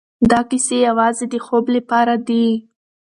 دا کيسې يوازې د خوب لپاره دي.